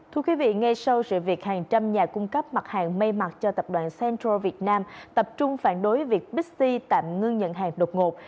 thưa quý vị ngay sau sự việc hàng trăm nhà cung cấp mặt hàng may mặc cho tập đoàn central việt nam tập trung phản đối việc bixi tạm ngưng nhận hàng đột ngột